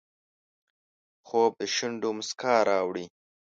خوب د شونډو مسکا راوړي